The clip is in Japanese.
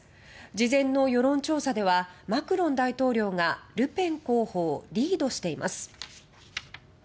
事前の世論調査ではマクロン大統領がルペン候補をリードしています。